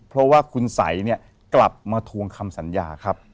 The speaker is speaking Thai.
เพราะว่าคุณสัยเนี่ยกลับมาทวงคำสัญญาครับ